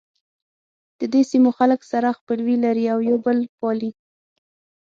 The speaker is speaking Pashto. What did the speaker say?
ددې سیمو خلک سره خپلوي لري او یو بل پالي.